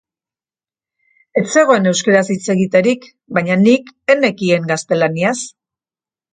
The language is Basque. Ez zegoen euskaraz hitz egiterik, baina nik ez nekien gaztelaniaz.